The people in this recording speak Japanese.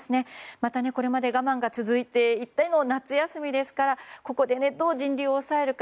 また、これまで我慢が続いていての夏休みですからここで、どう人流を抑えるか。